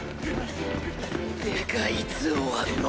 てかいつ終わるの？